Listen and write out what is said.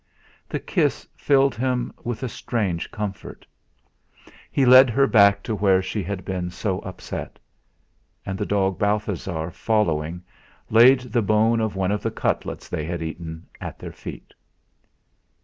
The kiss filled him with a strange comfort; he led her back to where she had been so upset. And the dog Balthasar, following, laid the bone of one of the cutlets they had eaten at their feet.